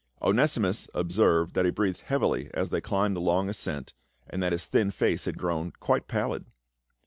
Onesimus observed that he breathed heavily as they climbed the long ascent, and that his thin face had grown quite pallid.